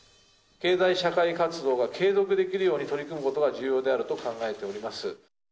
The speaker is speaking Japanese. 経済社会活動が継続できるように取り組むことが重要であると考えております。